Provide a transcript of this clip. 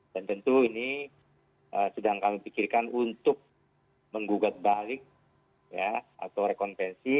dan tentu ini sedang kami pikirkan untuk menggugat balik atau rekonsensi